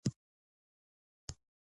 ټول سرمایه داري هېوادونه له دې پړاو تېرېږي